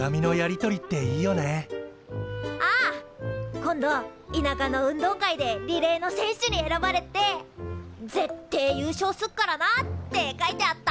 今度いなかの運動会でリレーの選手に選ばれて「ぜってえ優勝すっからな」って書いてあった。